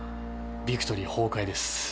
ビクトリー崩壊です